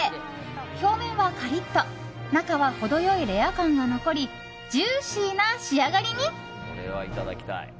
表面はカリッと中は程良いレア感が残りジューシーな仕上がりに。